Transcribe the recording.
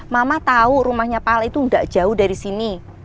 mama tau rumahnya pak al itu gak jauh dari sini